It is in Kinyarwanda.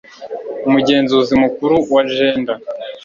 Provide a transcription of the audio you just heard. Umugenzuzi Mukuru wa Gender